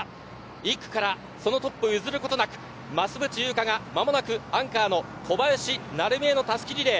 １区からトップを譲ることなく増渕が間もなくアンカーの小林成美へたすきリレー。